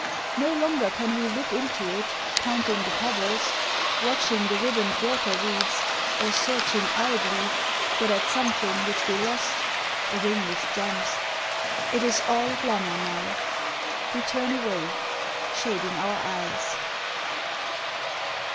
No longer can we look into it Counting the pebbles, Watching the ribboned water reeds, Or searching idly For that something which we lost (A ring with gems) It is all glamour, now! We turn away, shading our eyes.